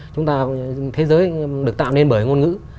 chúng ta thế giới được tạo nên bởi ngôn ngữ